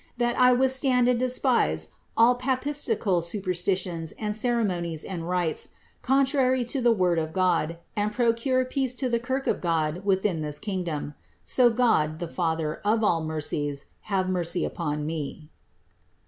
That I withstand and despise all papistical superstitions and ceremonies and rites, contrary to the word of God, and procure peace to the kirk of God within this kingdom. So God, the Father of all mercies, have mercy upon me."